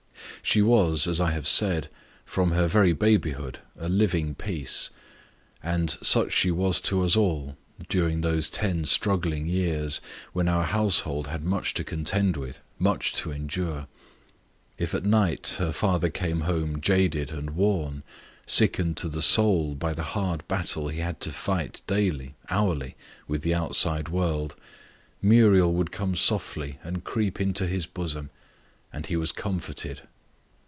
She was, as I have said, from her very babyhood a living peace. And such she was to us all, during those ten struggling years, when our household had much to contend with, much to endure. If at night her father came home jaded and worn, sickened to the soul by the hard battle he had to fight daily, hourly, with the outside world, Muriel would come softly and creep into his bosom, and he was comforted.